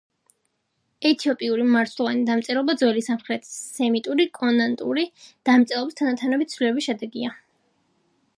ეთიოპიური მარცვლოვანი დამწერლობა ძველი სამხრეთ სემიტური კონსონანტური დამწერლობის თანდათანობითი ცვლილებების შედეგია.